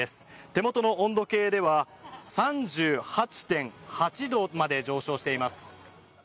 手元の温度計では３８．８度まで上昇しています。